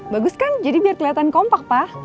bagus kan jadi biar kelihatan kompak pak